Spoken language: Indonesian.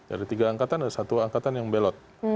ada tiga angkatan ada satu angkatan yang membelot